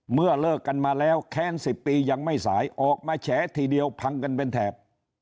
เลิกกันมาแล้วแค้น๑๐ปียังไม่สายออกมาแฉทีเดียวพังกันเป็นแถบ